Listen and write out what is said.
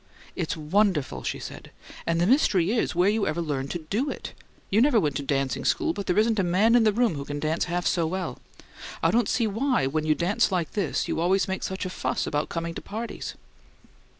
"It's wonderful!" she said. "And the mystery is, where you ever learned to DO it! You never went to dancing school, but there isn't a man in the room who can dance half so well. I don't see why, when you dance like this, you always make such a fuss about coming to parties."